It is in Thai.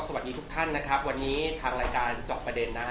สวัสดีทุกท่านนะครับวันนี้ทางรายการเจาะประเด็นนะฮะ